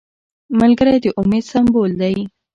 ملګری د امید سمبول دی